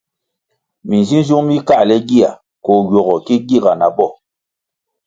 Minzinziung mi káhle gia koh ywogo ki giga na bo.